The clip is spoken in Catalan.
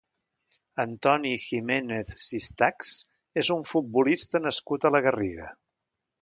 Antoni Jiménez Sistachs és un futbolista nascut a la Garriga.